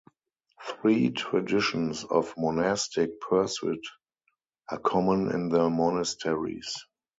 Three traditions of monastic pursuit are common in the monasteries.